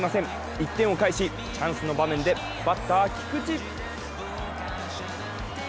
１点を返し、チャンスの場面でバッター・菊池。